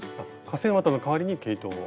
化繊綿の代わりに毛糸を？